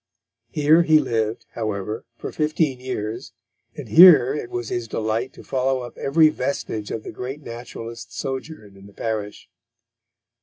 Here he lived, however, for fifteen years, and here it was his delight to follow up every vestige of the great naturalist's sojourn in the parish.